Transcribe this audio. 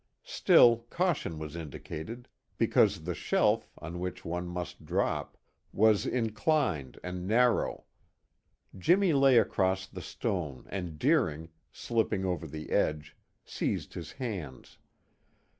Still, caution was indicated, because the shelf, on which one must drop, was inclined and narrow. Jimmy lay across the stone and Deering, slipping over the edge, seized his hands.